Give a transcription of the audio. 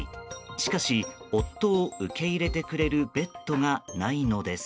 しかし、夫を受け入れてくれるベッドがないのです。